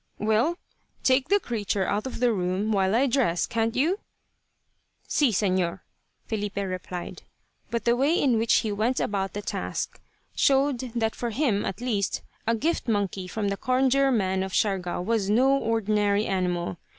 "Well, take the creature out of the room while I dress, can't you?" "Si, Señor," Filipe replied; but the way in which he went about the task showed that for him, at least, a gift monkey from the Conjure man of Siargao was no ordinary animal.